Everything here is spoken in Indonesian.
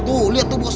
tuh liat tuh bos